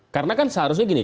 karena kan seharusnya gini